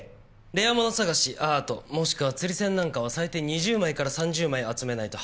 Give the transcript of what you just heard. レアもの探しアートもしくは釣り銭なんかは最低２０枚から３０枚集めないと話にならない。